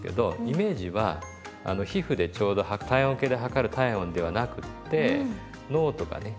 イメージは皮膚でちょうど体温計で測る体温ではなくって脳とかね